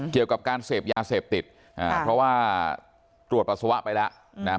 เกี่ยวกับการเสพยาเสพติดอ่าเพราะว่าตรวจปัสสาวะไปแล้วนะครับ